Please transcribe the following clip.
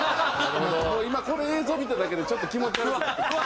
今この映像見ただけでちょっと気持ち悪く。